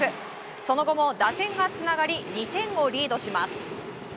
その後も打線がつながり２点をリードします。